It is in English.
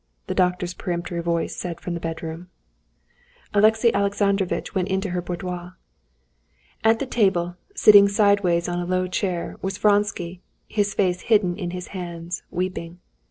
the doctor's peremptory voice said from the bedroom. Alexey Alexandrovitch went into her boudoir. At the table, sitting sideways in a low chair, was Vronsky, his face hidden in his hands, weeping.